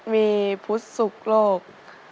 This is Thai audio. มีพุธสุขโลก